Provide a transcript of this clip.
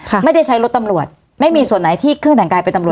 ไม่ได้ใช้รถตำรวจไม่มีส่วนไหนที่ขึ้นแต่งกายเป็นตำรวจ